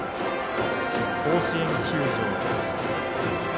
甲子園球場。